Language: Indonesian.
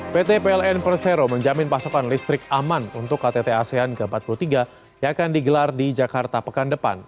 pt pln persero menjamin pasokan listrik aman untuk ktt asean ke empat puluh tiga yang akan digelar di jakarta pekan depan